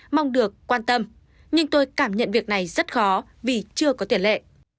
mong được quan tâm nhưng tôi cảm nhận việc này rất khó vì chưa có tiền lệ